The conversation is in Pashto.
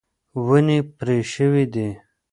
ونې پرې شوې دي.